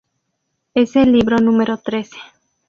Es el libro número trece.